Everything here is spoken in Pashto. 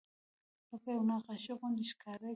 لکه یوه نقاشي غوندې ښکاره کېدل.